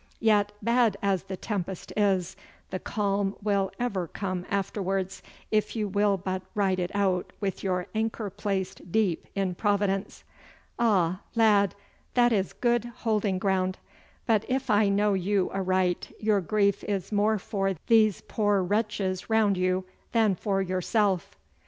Yet, bad as the tempest is, the calm will ever come afterwards if you will but ride it out with your anchor placed deep in Providence. Ah, lad, that is good holding ground! But if I know you aright, your grief is more for these poor wretches around you than for yourself.